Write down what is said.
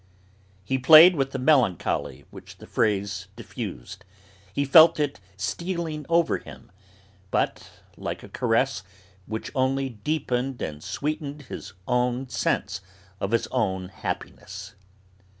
He played with the melancholy which the phrase diffused, he felt it stealing over him, but like a caress which only deepened and sweetened his sense of his own happiness.